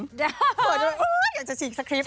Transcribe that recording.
อยากจะฉีกสคริปเลย